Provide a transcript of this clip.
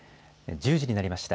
１０時になりました。